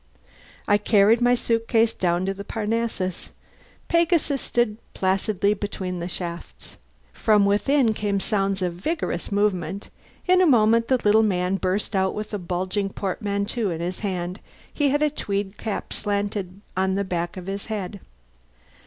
I carried my suit case out to the Parnassus. Pegasus stood placidly between the shafts. From within came sounds of vigorous movement. In a moment the little man burst out with a bulging portmanteau in his hand. He had a tweed cap slanted on the back of his head.